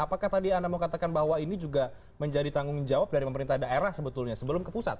apakah tadi anda mau katakan bahwa ini juga menjadi tanggung jawab dari pemerintah daerah sebetulnya sebelum ke pusat